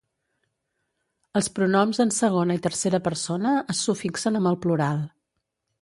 Els pronoms en segona i tercera persona es sufixen amb el plural.